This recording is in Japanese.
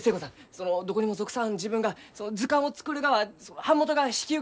そのどこにも属さん自分が図鑑を作るがは版元が引き受けてくれません。